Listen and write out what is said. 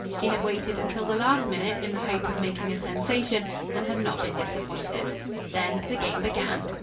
She had waited until the last minute in the hope of making a sensation, and had not been disappointed. Then the game began.